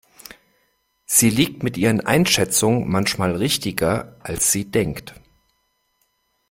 Sie liegt mit ihren Einschätzungen manchmal richtiger, als sie denkt.